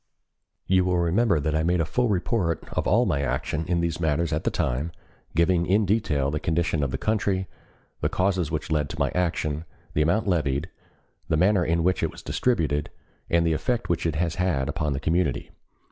"You will remember that I made a full report of all my action in these matters at the time, giving in detail the condition of the country, the causes which led to my action, the amount levied, the manner in which it was distributed, and the effect which it has had upon the community.